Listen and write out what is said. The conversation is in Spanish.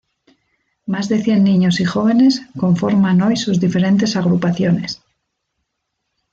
Más de cien niños y jóvenes conforman hoy sus diferentes agrupaciones.